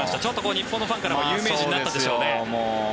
日本のファンからは有名人になったでしょうね。